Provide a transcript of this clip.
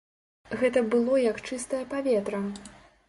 Гэта было як чыстае паветра.